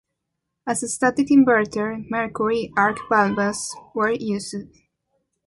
As a static inverter, Mercury arc valves were used.